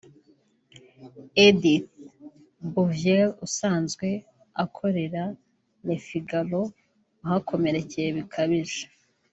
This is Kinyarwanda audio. Edith Bouvier usanzwe akorera Le Figaro wahakomerekeye bikabije